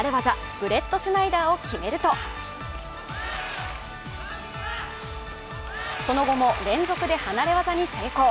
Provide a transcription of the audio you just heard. ブレットシュナイダーを決めるとその後も連続で離れ技に成功。